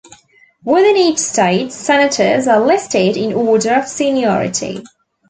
Within each state, senators are listed in order of seniority.